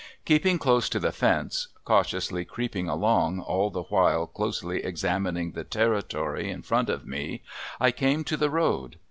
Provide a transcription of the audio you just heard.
Keeping close to the fence cautiously creeping along, all the while closely examining the territory in front of me I came to the road.